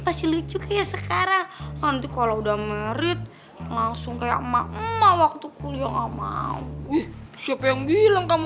ntar dulu ngerim ngerim